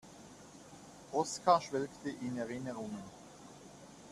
Oskar schwelgte in Erinnerungen.